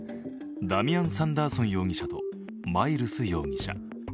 ダミアン・サンダーソン容疑者とマイルス容疑者。